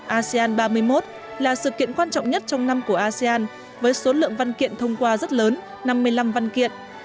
asean ba mươi một là sự kiện quan trọng nhất trong năm của asean với số lượng văn kiện thông qua rất lớn năm mươi năm văn kiện